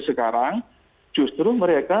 sekarang justru mereka